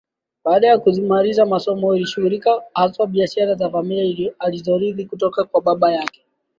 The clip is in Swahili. Baada ya kumaliza masomo alishughulikia hasa biashara za familia alizorithi kutoka kwa baba yake